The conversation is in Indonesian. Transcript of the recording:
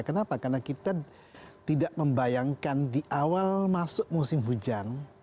kenapa karena kita tidak membayangkan di awal masuk musim hujan